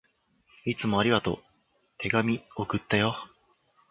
いつもありがとう。手紙、送ったよ。